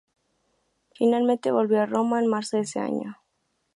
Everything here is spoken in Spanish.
Finalmente, volvió a Roma en marzo de ese año.